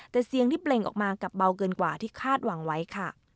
แต่เสียงที่เปล่งออกมากลับเบาเกินกว่าที่คาดหวังไว้ค่ะ